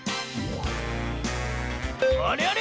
あれあれ？